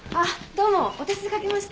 どうもお手数かけました。